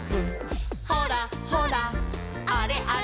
「ほらほらあれあれ」